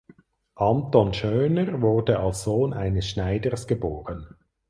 Anton Schöner wurde als Sohn eines Schneiders geboren.